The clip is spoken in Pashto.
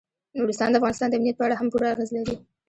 نورستان د افغانستان د امنیت په اړه هم پوره اغېز لري.